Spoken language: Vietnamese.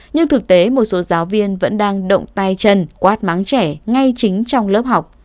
nhưng thực tế một số giáo viên vẫn đang động tay chân quát mắng trẻ ngay chính trong lớp học